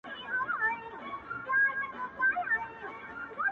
زه ستا تصوير گورمه پاس سپيني سپوږمۍ كي گراني